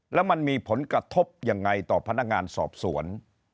แล้วมันมีผลกระทบยังไงต่อพนักงานสอบสวน